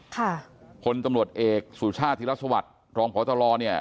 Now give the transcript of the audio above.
ค่ะคนตำรวจเอกสู่ชาติธิรัฐสวรรค์รองพลตลอดเนี่ย